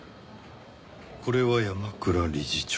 これは山倉理事長？